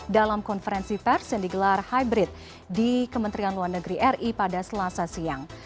dalam konferensi pers yang digelar hybrid di kementerian luar negeri ri pada selasa siang